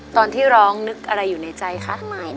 ตอนที่ร้องนึกอะไรอยู่ในใจคะใหม่